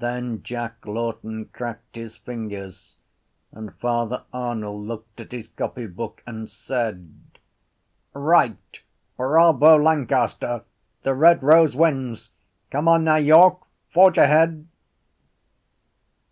Then Jack Lawton cracked his fingers and Father Arnall looked at his copybook and said: —Right. Bravo Lancaster! The red rose wins. Come on now, York! Forge ahead!